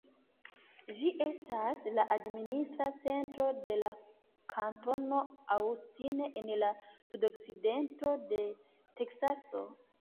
Ĝi estas la administra centro de la kantono Austin en la sudokcidento de Teksaso.